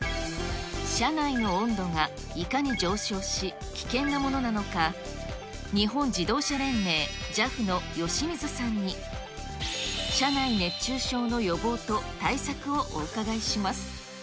車内の温度がいかに上昇し、危険なものなのか、日本自動車連盟・ＪＡＦの由水さんに、車内熱中症の予防と対策をお伺いします。